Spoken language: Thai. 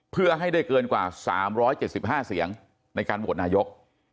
เพื่อให้ได้เกินกว่า๓๗๕เสียงในการโหวตนายก